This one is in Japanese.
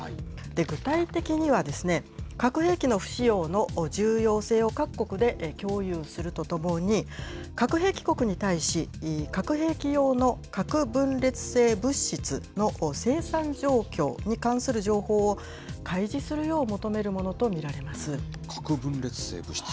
具体的には、核兵器の不使用の重要性を各国で共有するとともに、核兵器国に対し、核兵器用の核分裂性物質の生産状況に関する情報を開示するよう求核分裂性物質。